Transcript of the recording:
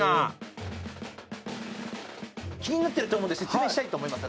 気になってると思うんで説明したいと思います。